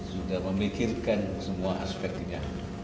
sudah memikirkan semua aspeknya